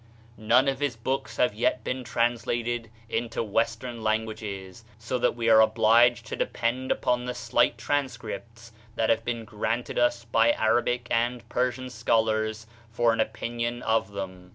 None of his books have yet been translated into western languages, so that we are obliged to depend upon the slight transcripts that have been granted us by Arabic and Persian scholars for an opinion of them.